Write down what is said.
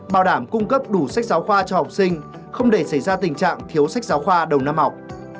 bảo đảm cung cấp đủ sách giáo khoa cho học sinh không để xảy ra tình trạng thiếu sách giáo khoa đầu năm học